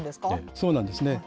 そうなんですね。